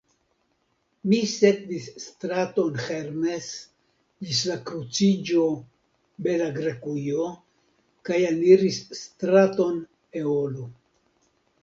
Mi sekvis straton Hermes ĝis la kruciĝo Bela Grekujo, kaj eniris straton Eolo.